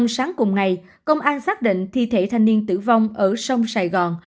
sáng cùng ngày công an xác định thi thể thanh niên tử vong ở sông sài gòn